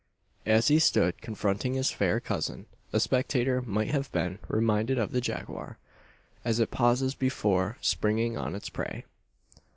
As he stood confronting his fair cousin, a spectator might have been reminded of the jaguar, as it pauses before springing on its prey.